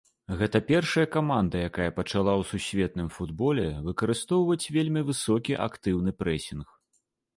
Гэта першая каманда, якая пачала ў сусветным футболе выкарыстоўваць вельмі высокі актыўны прэсінг.